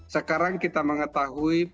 sekarang kita mengetahui